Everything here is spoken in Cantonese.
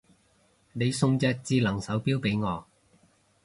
你送隻智能手錶俾我